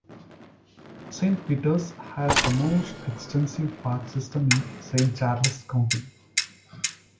Saint Peters has the most extensive park system in Saint Charles county.